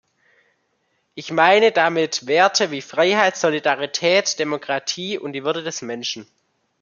Ich meine damit Werte wie Freiheit, Solidarität, Demokratie und die Würde des Menschen.